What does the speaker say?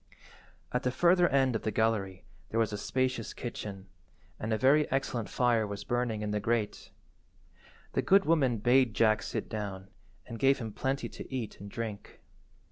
At the further end of the gallery there was a spacious kitchen, and a very excellent fire was burning in the grate. The good woman bade Jack sit down, and gave him plenty to eat and drink.